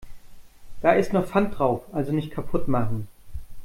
Da ist noch Pfand drauf, also nicht kaputt machen.